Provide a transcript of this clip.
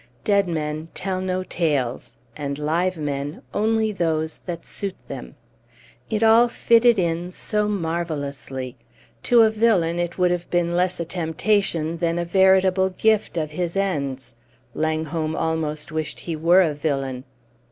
Dead men tell no tales, and live men only those that suit them! It all fitted in so marvellously. To a villain it would have been less a temptation than a veritable gift of his ends. Langholm almost wished he were a villain.